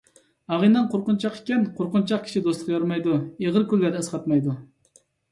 ئاغىنەڭ قورقۇنچاق ئىكەن، قورقۇنچاق كىشى دوستلۇققا يارىمايدۇ، ئېغىر كۈنلەردە ئەسقاتمايدۇ.